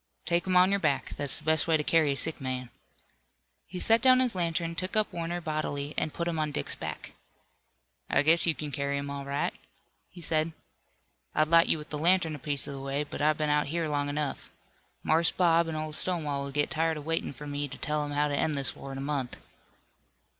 "Take him on your back. That's the best way to carry a sick man." He set down his lantern, took up Warner bodily and put him on Dick's back. "I guess you can carry him all right," he said. "I'd light you with the lantern a piece of the way, but I've been out here long enough. Marse Bob an' old Stonewall will get tired waitin' fur me to tell 'em how to end this war in a month."